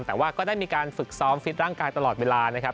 แต่ว่าก็ได้มีการฝึกซ้อมฟิตร่างกายตลอดเวลานะครับ